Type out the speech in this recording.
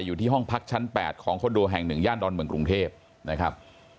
อยู่ที่ห้องพักชั้น๘ของคอนโดแห่ง๑ย่านดอนเมืองกรุงเทพนะครับ